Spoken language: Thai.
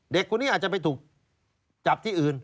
เด็กคนนี้อาจจะไปถูกจับที่อื่น